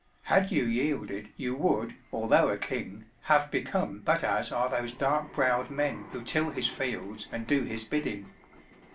Had you yielded, you would, although a king, have become but as are those dark browed men who till his fields and do his bidding.